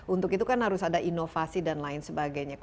untuk itu kan harus ada inovasi dan lain sebagainya